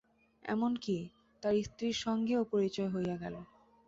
এমন-কি, তার স্ত্রীর সঙ্গেও পরিচয় হইয়া গেল।